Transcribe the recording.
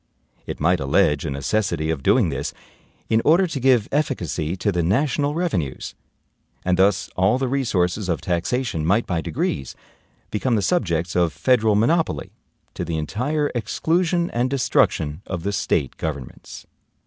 It might allege a necessity of doing this in order to give efficacy to the national revenues. And thus all the resources of taxation might by degrees become the subjects of federal monopoly, to the entire exclusion and destruction of the State governments."